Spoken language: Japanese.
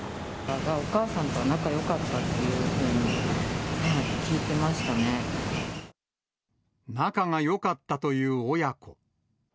お母さんとは仲よかったって仲がよかったという親子。